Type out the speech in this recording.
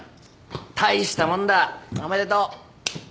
大したもんだおめでとう！